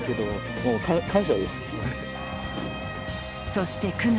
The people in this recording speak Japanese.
そして９月。